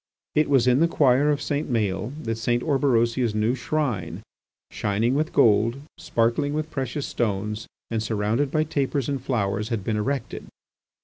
It was in the choir of St. Maël's that St. Orberosia's new shrine, shining with gold, sparkling with precious stones, and surrounded by tapers and flowers, had been erected.